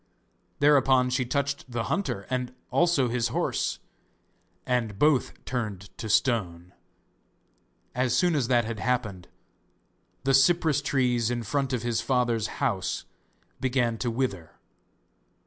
Thereupon she touched the hunter and also his horse, and both turned to stone. As soon as that had happened, the cypress trees in front of his father's house began to wither.